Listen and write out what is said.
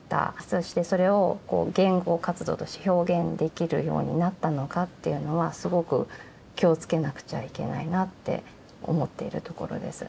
そしてそれを言語活動として表現できるようになったのかっていうのはすごく気をつけなくちゃいけないなって思っているところです。